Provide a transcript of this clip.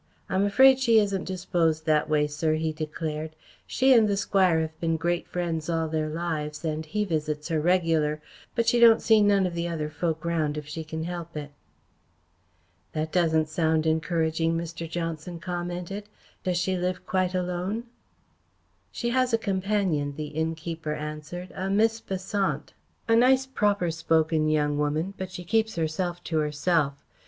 "I'm afraid she isn't disposed that way, sir," he declared. "She and the Squire have been great friends all their lives, and he visits her regular, but she don't see none of the other folk round if she can help it." "That doesn't sound encouraging," Mr. Johnson commented. "Does she live quite alone?" "She has a companion," the innkeeper answered "a Miss Besant. A nice proper spoken young woman, but keeps herself to herself.